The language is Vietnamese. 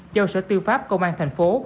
châu sở tư pháp công an thành phố